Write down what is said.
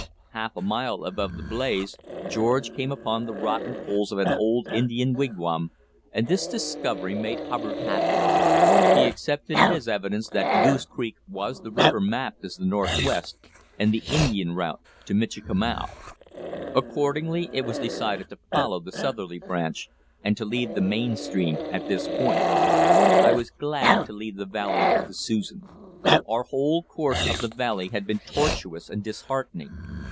Half a mile above the blaze George came upon the rotten poles of an old Indian wigwam, and this discovery made Hubbard happy; he accepted it as evidence that Goose Creek was the river mapped as the "Northwest" and the Indian route to Michikamau. Accordingly it was decided to follow the southerly branch, and to leave the main stream at this point. I was glad to leave the valley of the Susan. Our whole course up the valley had been torturous and disheartening.